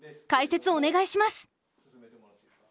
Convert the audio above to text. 解説お願いします！